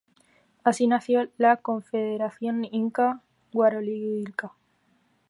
Así nació la Confederación Inca–Yarowilca.